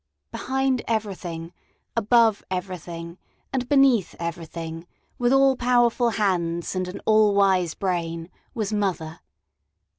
Behind everything, above everything, and beneath everything, with all powerful hands and an all wise brain, was mother.